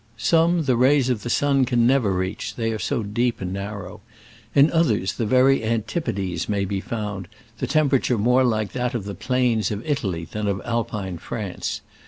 Some the rays of the sun can never reach, they are so deep and nar row. In others the very antipodes may be found, the temperature more like that of the plains of Italy than of alpine France.